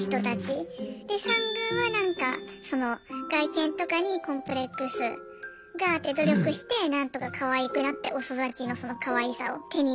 で３軍は外見とかにコンプレックスがあって努力してなんとかかわいくなって遅咲きのそのかわいさを手に入れるみたいな。